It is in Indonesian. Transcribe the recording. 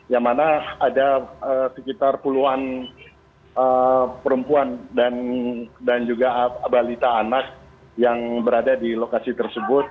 yang mana ada sekitar puluhan perempuan dan juga balita anak yang berada di lokasi tersebut